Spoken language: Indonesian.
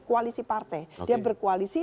koalisi partai dia berkoalisi